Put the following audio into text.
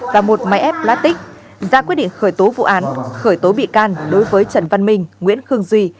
và một máy ép platic ra quyết định khởi tố vụ án khởi tố bị can đối với trần văn minh nguyễn khương duy